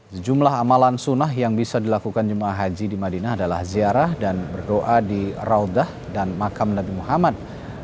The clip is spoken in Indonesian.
sejumlah amalan sunnah yang bisa dilakukan jemaah haji di madinah adalah ziarah dan berdoa di raudah dan makam nabi muhammad